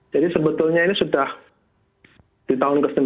jadi sebetulnya ini sudah di tahun ke sembilan